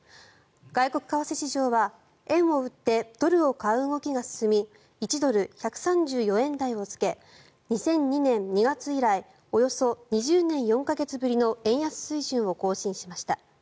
外国為替市場は円を売ってドルを買う動きが進み１ドル＝１３４円台をつけ２００２年２月以来およそ２０年４か月ぶりの円安水準を更新しました。